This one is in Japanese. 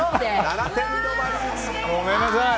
ごめんなさい。